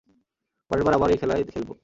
পরের বার আবার এই খেলাই খেলবো।